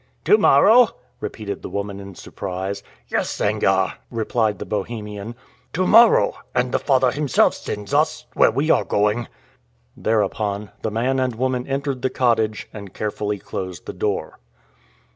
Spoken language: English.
"To morrow?" repeated the woman in surprise. "Yes, Sangarre," replied the Bohemian; "to morrow, and the Father himself sends us where we are going!" Thereupon the man and woman entered the cottage, and carefully closed the door.